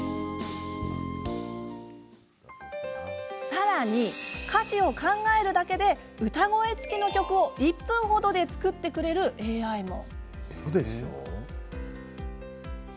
さらに、歌詞を考えるだけで歌声つきの曲を１分程で作ってくれる ＡＩ も。